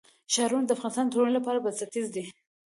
ښارونه د افغانستان د ټولنې لپاره بنسټیز دي.